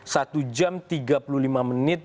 satu jam tiga puluh lima menit